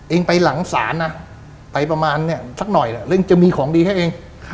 เองไปหลังศาลนะไปประมาณเนี่ยสักหน่อยแหละเรื่องจะมีของดีแค่เอง